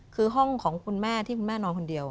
คือห้องของคุณแม่ที่คุณแม่นอนคนเดียว